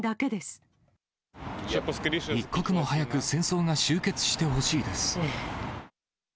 一刻も早く戦争が終結してほしいです。